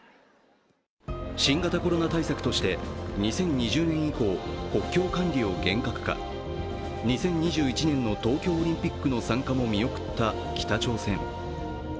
新型コロナ対策として、２０２０年以降国境管理を厳格化、２０２１年の東京オリンピックの参加も見送った北朝鮮。